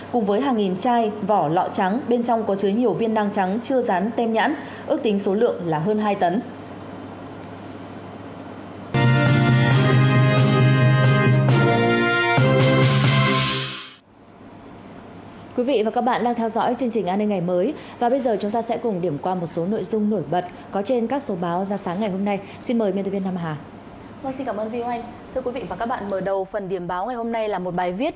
cùng với hàng nghìn chai vỏ lọ trắng bên trong có chứa nhiều viên năng trắng chưa rán tem nhãn